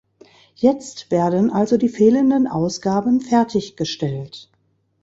Jetzt werden also die fehlenden Ausgaben fertiggestellt.